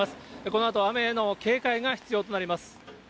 このあと雨への警戒が必要となります。